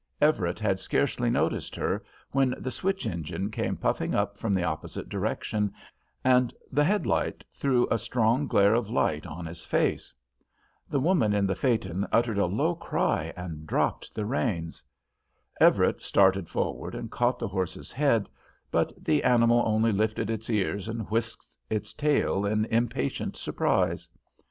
Everett had scarcely noticed her, when the switch engine came puffing up from the opposite direction, and the head light threw a strong glare of light on his face. The woman in the phaeton uttered a low cry and dropped the reins. Everett started forward and caught the horse's head, but the animal only lifted its ears and whisked its tail in impatient surprise.